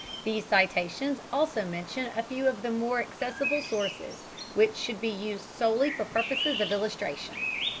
These citations also mention a few of the more accessible sources, which should be used solely for purposes of illustration.